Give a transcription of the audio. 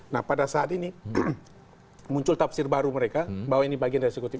nah pada saat ini muncul tafsir baru mereka bahwa ini bagian dari eksekutif